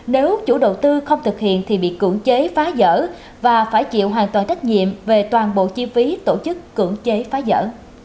nếu chủ đầu tư không thực hiện thì bị cử chế phá dở và phải chịu hoàn toàn trách nhiệm về toàn bộ chi phí tổ chức cử chế phá dở